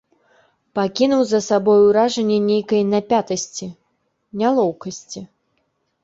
Пакінуў за сабою ўражанне нейкай напятасці, нялоўкасці.